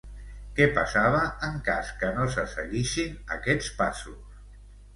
Què passava en cas que no se seguissin aquests passos?